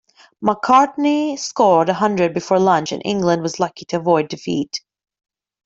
Macartney scored a hundred before lunch and England was lucky to avoid defeat.